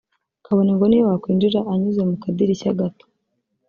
kabone ngo n’iyo yakwinjira anyuze mu kadirishya gato